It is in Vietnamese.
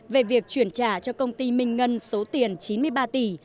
về việc chuyển trả cho công ty minh ngân số tiền chín mươi ba tỷ